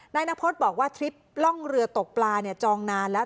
นายนพฤษบอกว่าทริปล่องเรือตกปลาจองนานแล้ว